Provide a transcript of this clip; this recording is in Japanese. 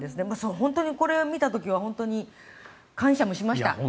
本当にこれを見た時は感謝もしました。